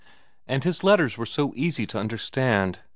And his letters were so easy to understand.